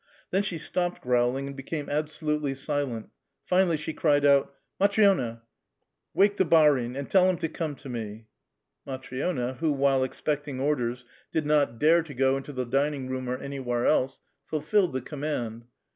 Then she stopped growling and became absolutely silent; finally she cried out :—'' Matri6na ! wake the barin, and tell him to come to me !" Matri6na, who, while expecting orders, did not dare to go A VITAL QUESTION. HI into ilie dining room or anywhere' else, fulfilled the command.